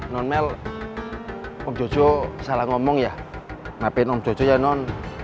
nonmel om jojo salah ngomong ya maafin om jojo ya non